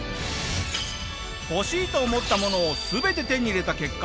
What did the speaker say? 欲しいと思ったものを全て手に入れた結果